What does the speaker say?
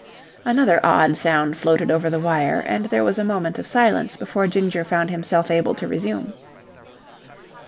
Another odd sound floated over the wire, and there was a moment of silence before Ginger found himself able to resume.